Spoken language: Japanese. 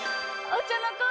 お茶の子